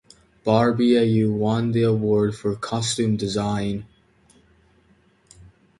Barbeau won the award for costume design.